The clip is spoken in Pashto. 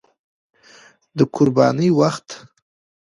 د قربانۍ وخت